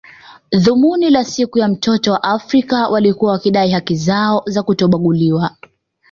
Dhumuni la siku ya mtoto wa Afrika walikuwa wakidai haki zao za kutobaguliwa